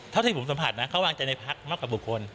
เท่าที่ผมสัมผัสนะเขาวางใจในพักมากกว่าบุคคล